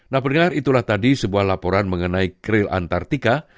nah pendengar itulah tadi sebuah laporan mengenai kril antartika